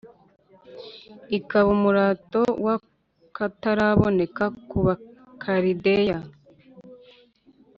ikaba umurato w’akataraboneka ku Bakalideya,